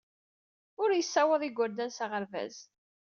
Ur yessawaḍ igerdan s aɣerbaz.